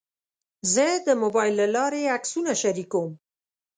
زه د موبایل له لارې عکسونه شریکوم.